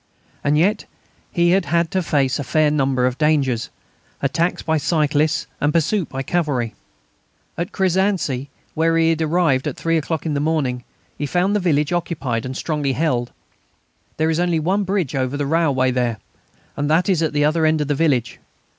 And yet he had had to face a fair number of dangers attacks by cyclists and pursuit by cavalry. At Crézancy, where he arrived at three o'clock in the morning, he found the village occupied and strongly held. There is only one bridge over the railway there, and that is at the other end of the village.